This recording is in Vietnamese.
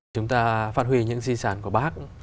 chúng ta phát huy những di sản của bác